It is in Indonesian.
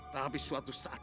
tapi suatu saat kelak